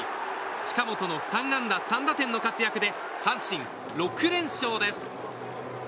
近本の３安打３打点の活躍で阪神６連勝です。